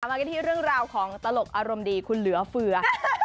มากันที่เรื่องราวของตลกอารมณ์ดีคุณเหลือเฟือ